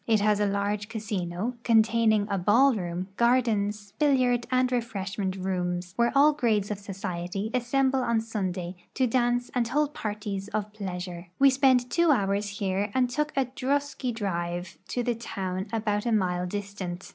It has a large casino, containing a ball room, gai'dens, billiaixl and refreshment rooms, where all grades of society assemble on Sunday to dance and hold parties of pleasure. We spent two hours here and took a drosky drive to the town about a mile distant.